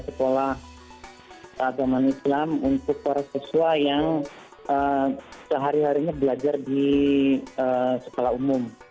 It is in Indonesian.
sekolah agama islam untuk para siswa yang sehari harinya belajar di sekolah umum